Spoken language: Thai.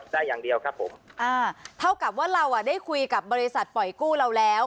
ได้อย่างเดียวครับผมอ่าเท่ากับว่าเราอ่ะได้คุยกับบริษัทปล่อยกู้เราแล้ว